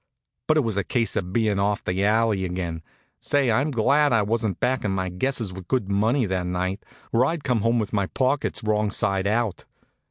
But it was a case of being off the alley again. Say, I'm glad I wasn't backin' my guesses with good money that night, or I'd come home with my pockets wrong side out.